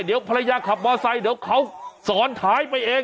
เดี๋ยวภรรยาขับมอไซค์เดี๋ยวเขาสอนท้ายไปเอง